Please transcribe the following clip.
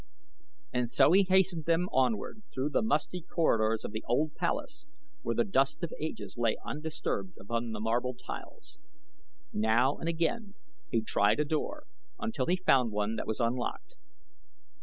And so he hastened them onward through the musty corridors of the old palace where the dust of ages lay undisturbed upon the marble tiles. Now and again he tried a door until he found one that was unlocked.